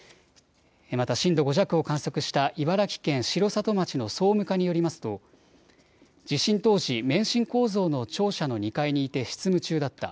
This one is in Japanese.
また震度５弱を観測した茨城県城里町の総務課によりますと地震当時、免震構造の庁舎の２階にいて執務中だった。